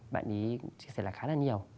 bạn ấy chia sẻ lại khá là nhiều